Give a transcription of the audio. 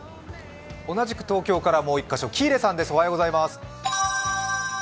同じく東京からもう１カ所、喜入さんです。